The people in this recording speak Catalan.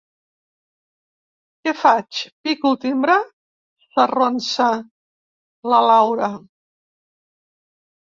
Què faig, pico el timbre? —s'arronsa la Laura.